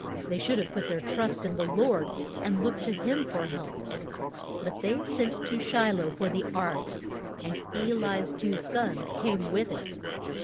They should have put their trust in the Lord, and looked to him for help. But they sent to Shi loh for the ark, and E li's two sons came with it.